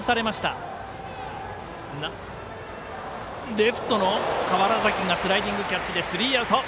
レフトの川原崎がスライディングキャッチでスリーアウト。